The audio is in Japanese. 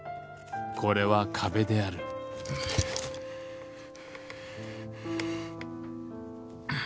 これは壁であるんっはあ。